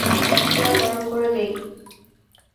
দাও গরম করে দিই।